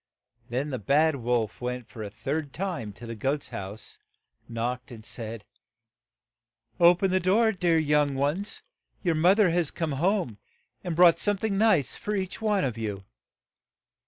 Then the bad wolf went a third time to the goat's house, knocked, and said, "O pen the door, dear young ones; your moth er has come home, and has brought some thing nice for each one of you."